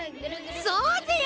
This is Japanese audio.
そうぜよ！